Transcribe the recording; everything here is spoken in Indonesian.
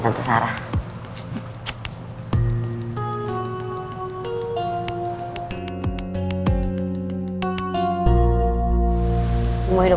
tante sarah aku mau pulang